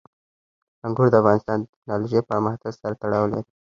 انګور د افغانستان د تکنالوژۍ پرمختګ سره تړاو لري.